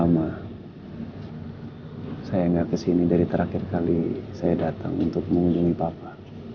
mengandung omega tiga